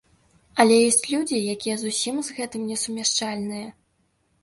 Але ёсць людзі, якія зусім з гэтым не сумяшчальныя.